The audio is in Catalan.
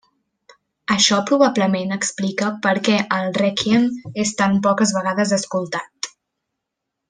Això probablement explica per què el Rèquiem és tan poques vegades escoltat.